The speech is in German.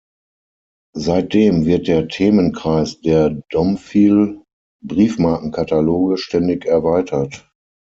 Seitdem wird der Themenkreis der Domfil-Briefmarkenkataloge ständig erweitert.